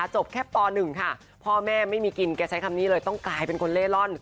จบแค่ป๑ค่ะพ่อแม่ไม่มีกินแกใช้คำนี้เลยต้องกลายเป็นคนเล่ร่อน